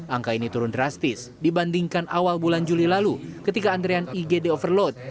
angka ini turun drastis dibandingkan awal bulan juli lalu ketika antrean igd overload